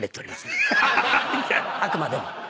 あくまでも。